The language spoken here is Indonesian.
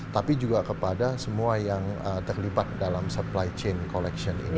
tapi juga kepada semua yang terlibat dalam supply chain collection ini